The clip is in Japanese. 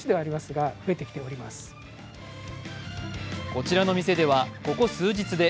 こちらの店ではここ数日で